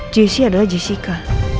jessy adalah jessica